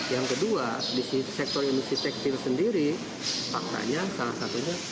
yang kedua di sektor industri tekstil sendiri faktanya salah satunya